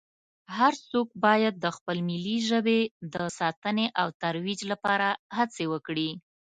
هر څو باید د خپلې ملي ژبې د ساتنې او ترویج لپاره هڅې وکړي